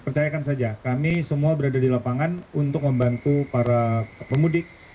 percayakan saja kami semua berada di lapangan untuk membantu para pemudik